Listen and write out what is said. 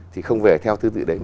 thì không về theo tứ tự đấy